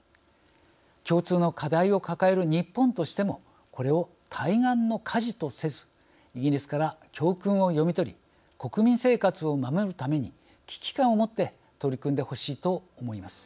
共通の課題を抱える日本としてもこれを対岸の火事とせずイギリスから教訓を読み取り国民生活を守るために危機感を持って取り組んでほしいと思います。